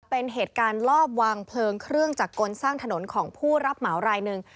เป็นเหตุการณ์ลอบวางเพลิงเครื่องจักรกลสร้างถนนของผู้รับเหมารายหนึ่ง